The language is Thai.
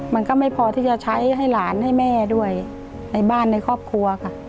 มันก็ไม่พอที่จะใช้ให้หลานให้แม่ด้วยในบ้านในครอบครัวค่ะ